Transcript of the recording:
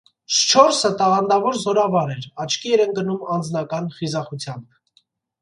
Շչորսը տաղանդավոր զորավար էր, աչքի էր ընկնում անձնական խիզախությամբ։